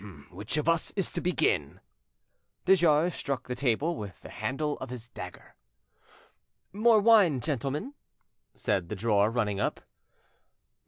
"Which of us is to begin?" De Jars struck the table with the handle of his dagger. "More wine, gentlemen?" said the drawer, running up.